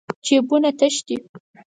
جېبونه تش دي.